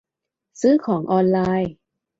ซื้อของออนไลน์